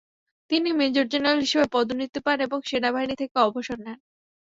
তিনি major general হিসেবে পদোন্নতি পান এবং সেনাবাহিনী থেকে অবসর নেন।